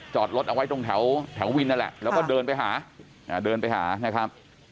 จอดรถเอาไว้ตรงแถววินนั่นแหละแล้วก็เดินไปหาเดินไปหานะครับ